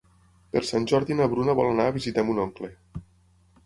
Per Sant Jordi na Bruna vol anar a visitar mon oncle.